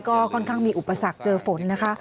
ก็ค่อนข้างมีอุปสรรคเจอฝนนะคะ